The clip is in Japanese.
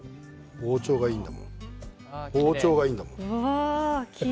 包丁がいいんだもん。